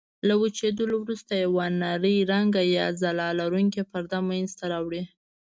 له وچېدلو وروسته یوه نرۍ رنګه یا ځلا لرونکې پرده منځته راوړي.